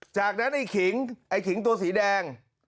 จากนั้นไอ้ขิงไอ้ขิงตัวสีแดง